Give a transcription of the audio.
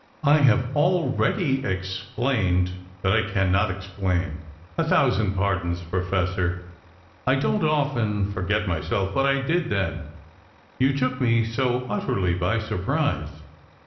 I have already explained that I cannot explain." "A thousand pardons, Professor. I don't often forget myself, but I did then. You took me so utterly by surprise."